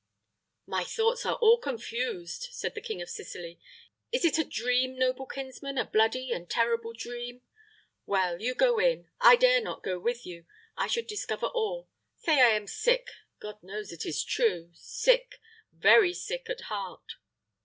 "My thoughts are all confused," said the King of Sicily. "Is it a dream, noble kinsman a bloody and terrible dream? Well, go you in. I dare not go with you. I should discover all. Say I am sick God knows it is true sick, very sick at heart."